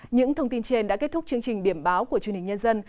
những thông tin trên đã kết thúc chương trình điểm báo của truyền hình nhân dân